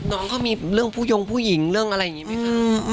น้องเขามีเรื่องผู้ยงผู้หญิงเรื่องอะไรอย่างนี้ไหมคะ